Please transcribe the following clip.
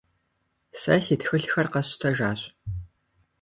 Сэ си тхылъхэр къэсщтэжащ.